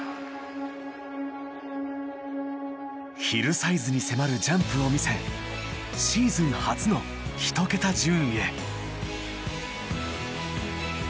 ヒルサイズに迫るジャンプを見せシーズン初の１桁順位へ。